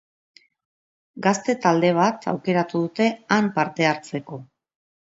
Gazte talde bat aukeratu dute han parte hartzeko.